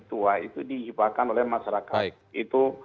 mpc tua itu diibahkan oleh masyarakat